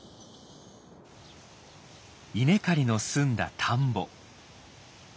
稲刈りの済んだ田んぼ。